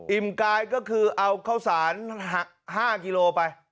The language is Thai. กายก็คือเอาข้าวสาร๕กิโลไป